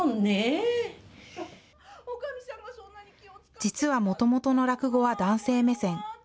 実はもともとの落語は男性目線。